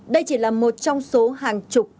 đây chỉ là một trong số hàng chục